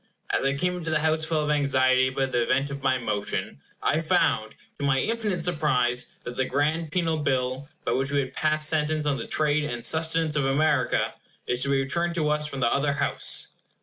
As I came into the House full of anxiety about the event of my motion, I found, to my infinite surprise, that the grand penal bill, by which we had passed sentence on the trade and sustenance of America, is to be returned to us from the other House.